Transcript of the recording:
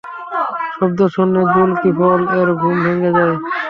শব্দ শুনে যুল-কিফল-এর ঘুম ভেঙে যায়।